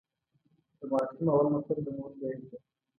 د ماشوم اول مکتب د مور غېږ ده.